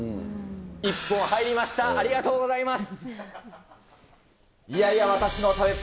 一本入りました、ありがとうございます。